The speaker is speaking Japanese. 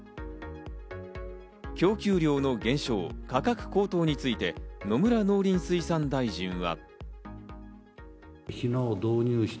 供給量の減少、価格高騰について野村農林水産大臣は。